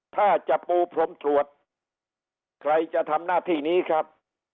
ถ้าจะปูพรมตรวจใครจะทำหน้าที่นี้ครับ